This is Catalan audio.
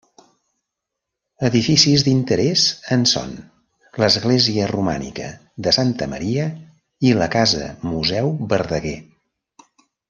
Edificis d'interès en són l'Església romànica de Santa Maria i la Casa Museu Verdaguer.